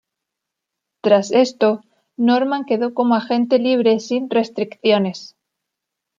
Tras esto, Norman quedó como agente libre sin restricciones.